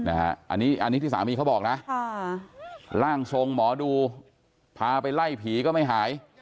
อันนี้ที่สามีเขาบอกนะร่างทรงหมอดูพาไปไล่ผีก็ไม่หาย